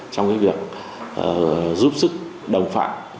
trong cái việc giúp sức đồng phạm